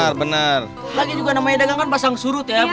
lagi juga namanya dagang kan pasang surut ya bu rantiya